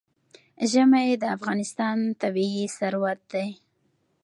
ژمی د افغانستان طبعي ثروت دی.